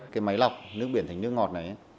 cái máy lọc nước biển thành nước ngọt này